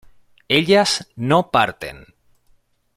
ellas no parten